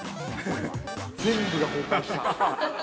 全部が崩壊した。